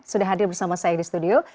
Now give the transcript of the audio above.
sudah hadir bersama saya di studio